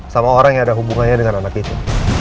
sama orang yang ada hubungannya dengan anak itu